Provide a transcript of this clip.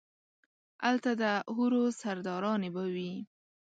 الته ده حورو سرداراني به وي